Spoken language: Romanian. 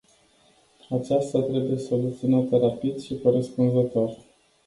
Aceasta trebuie soluționată rapid și corespunzător.